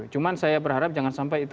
cuma saya berharap jangan sampai itu